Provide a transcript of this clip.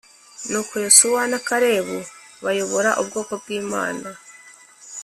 Nuko Yosuwa na karebu bayobora ubwoko bw’imana